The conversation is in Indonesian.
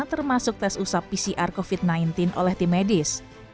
termasuk tes usap pcr covid sembilan belas oleh tim medis